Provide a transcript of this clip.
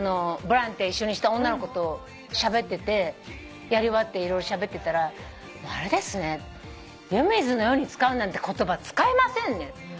ボランティア一緒にした女の子としゃべっててやり終わって色々しゃべってたら「あれですね湯水のように使うなんて言葉使えませんね」